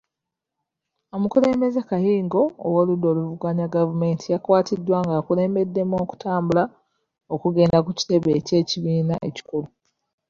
Omukulembeze kayingo ow'oludda oluvuganya gavumenti yakwatiddwa ng'akulembeddemu okutambula okugenda ku kitebe ky'ekibiina ekikulu.